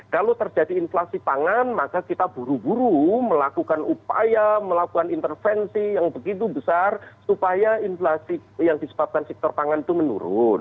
kalau terjadi inflasi pangan maka kita buru buru melakukan upaya melakukan intervensi yang begitu besar supaya inflasi yang disebabkan sektor pangan itu menurun